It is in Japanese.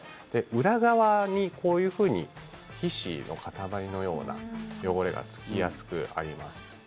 裏側にこういうふうに皮脂の塊のような汚れがつきやすくあります。